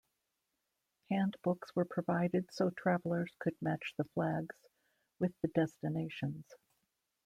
Handbooks were provided so travelers could match the flags with the destinations.